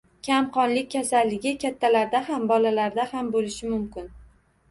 Kamqonlik kasalligi kattalarda ham, bolalarda ham bo‘lishi mumkin.